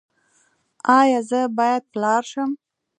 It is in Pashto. ایا زه باید پلار شم؟